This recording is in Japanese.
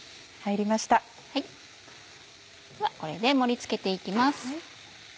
これで盛り付けて行きます。